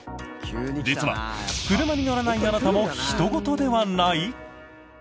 実は、車に乗らないあなたもひと事ではない？